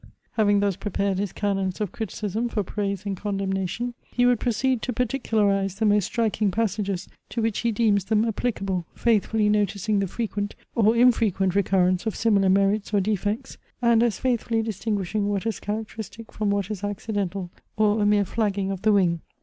Having thus prepared his canons of criticism for praise and condemnation, he would proceed to particularize the most striking passages to which he deems them applicable, faithfully noticing the frequent or infrequent recurrence of similar merits or defects, and as faithfully distinguishing what is characteristic from what is accidental, or a mere flagging of the wing.